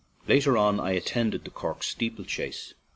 Later on I attended the Cork steeple chase.